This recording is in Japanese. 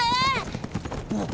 あっ。